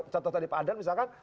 contoh tadi pak adan misalkan